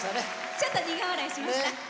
ちょっと苦笑いしました。